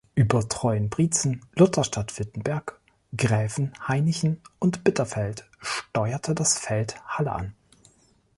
Über Treuenbrietzen, Lutherstadt Wittenberg, Gräfenhainichen und Bitterfeld steuerte das Feld Halle an.